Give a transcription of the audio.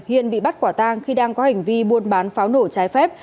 hên bị bắt quả tang khi đang có hành vi buôn bán pháo nổ trái phép